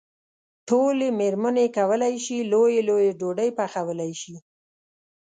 ټولې مېرمنې کولای شي لويې لويې ډوډۍ پخولی شي.